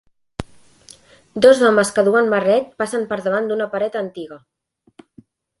Dos homes que duen barret passen per davant d'una paret antiga.